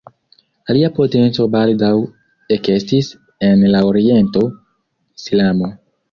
Alia potenco baldaŭ ekestis en la oriento: Islamo.